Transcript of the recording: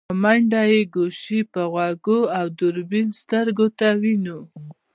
په منډه يې ګوشي په غوږو او دوربين سترګو ته ونيو.